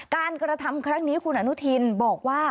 การกระทำครั้งนี้คุณอนุทินบอกว่า